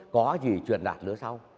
có gì truyền đạt lứa sau